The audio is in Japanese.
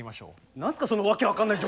何すかその訳分かんない条件。